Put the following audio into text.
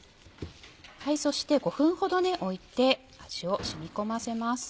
そして５分ほどおいて味を染み込ませます。